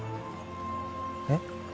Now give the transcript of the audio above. えっ？